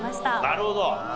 なるほど。